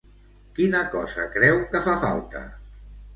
Quina cosa creu que fa falta?